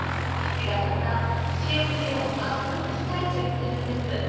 父がまた新人を発掘したいと言ってるんです。